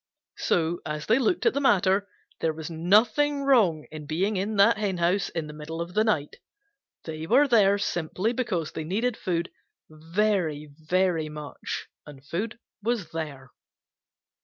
So as they looked at the matter, there was nothing wrong in being in that henhouse in the middle of the night. They were there simply because they needed food very, very much, and food was there.